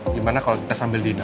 gimana kalau kita sambil dinami